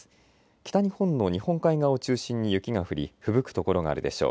北日本の日本海側を中心に雪が降りふぶく所があるでしょう。